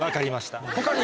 他に。